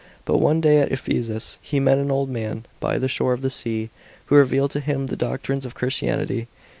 But one day at Ephesus, he met an old man by the shore of the sea, who revealed to him the doctrines of Christianity.